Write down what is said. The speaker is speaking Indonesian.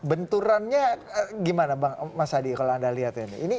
benturannya gimana mas hadi kalau anda lihat ini